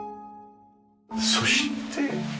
そして。